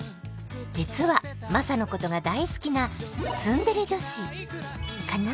実はマサのことが大好きなツンデレ女子カナ？